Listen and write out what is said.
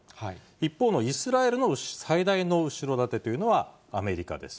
一方のイスラエルの最大の後ろ盾というのはアメリカです。